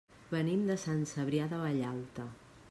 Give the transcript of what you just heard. Venim de Sant Cebrià de Vallalta.